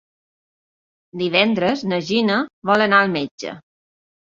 Divendres na Gina vol anar al metge.